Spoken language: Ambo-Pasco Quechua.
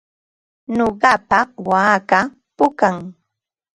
Nuqapa waakaa pukam.